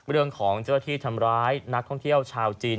และที่ทำร้ายนักท่องเที่ยวชาวจีน